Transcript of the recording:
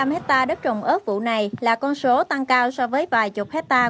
bốn trăm ba mươi năm hectare đất trồng ớt vụ này là con số tăng cao so với vài chục hectare